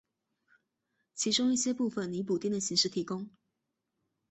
其中一些部分以补丁的形式提供。